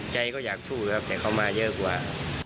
ใจก็อยากสู้ครับแต่เขามาเยอะกว่า